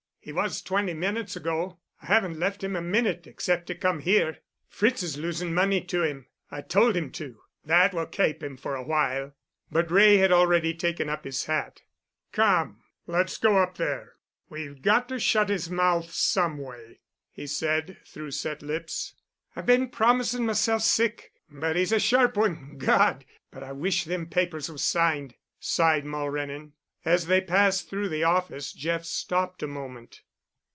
"He was twenty minutes ago. I haven't left him a minute except to come here. Fritz is losin' money to him. I told him to. That will kape him for a while." But Wray had already taken up his hat. "Come, let's go up there. We've got to shut his mouth some way," he said, through set lips. "I've been promisin' myself sick, but he's a sharp one—God! But I wish them papers was signed," sighed Mulrennan. As they passed through the office Jeff stopped a moment.